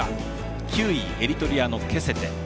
９位、エリトリアのケセテ。